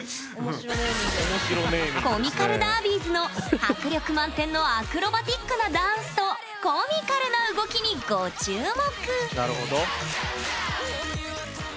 コミカルダービーズの迫力満点のアクロバティックなダンスとコミカルな動きにご注目。